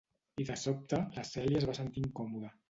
I de sobte, la Cèlia es va sentir incòmoda.